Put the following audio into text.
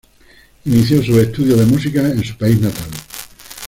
Inició sus estudios de música en su país natal.